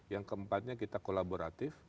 yang keempatnya kita kolaboratif